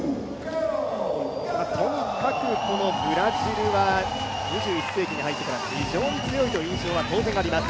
とにかくブラジルは２１世紀に入ってから非常に強いという印象は当然あります。